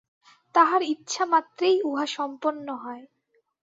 তাঁহার ইচ্ছামাত্রেই উহা সম্পন্ন হয়।